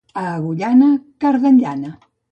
A Agullana, carden llana.